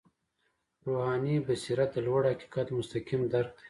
روحاني بصیرت د لوړ حقیقت مستقیم درک دی.